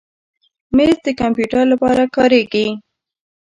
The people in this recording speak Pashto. مېز د کمپیوټر لپاره کارېږي.